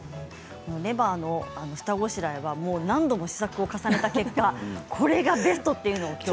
レバーの下ごしらえは何度も試作を重ねた結果、これがベストというのをきょう。